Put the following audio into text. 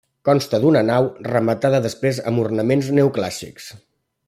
Consta d'una nau, rematada després amb ornaments neoclàssics.